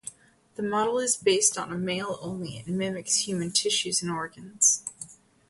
The model is based on a male only, and mimics human tissues and organs.